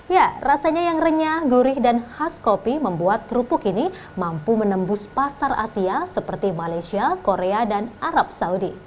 ya rasanya yang renyah gurih dan khas kopi membuat kerupuk ini mampu menembus pasar asia seperti malaysia korea dan arab saudi